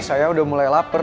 saya udah mulai lapar